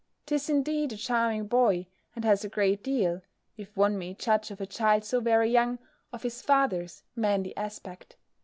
'Tis indeed a charming boy, and has a great deal (if one may judge of a child so very young) of his father's manly aspect.